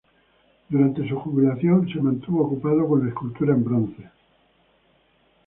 Durante su jubilación se mantuvo ocupado con la escultura en bronce.